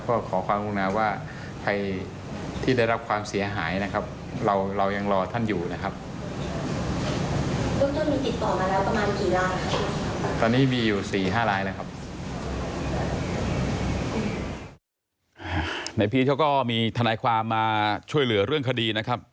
พีชเขาก็มีทนายความมาช่วยเหลือเรื่องคดีนะครับ